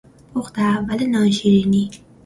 پخت اول نان شیرینی